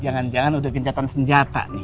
jangan jangan udah gencatan senjata nih